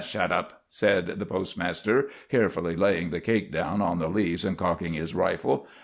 "Shet up," said the postmaster, carefully laying the cake down on the leaves, and cocking his rifle.